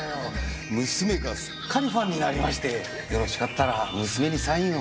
娘がすっかりファンになりましてよろしかったら娘にサインを。